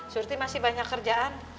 surti masih banyak kerjaan